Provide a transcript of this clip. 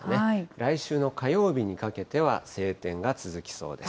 来週の火曜日にかけては、晴天が続きそうです。